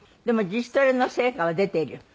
でも自主トレの成果は出てる？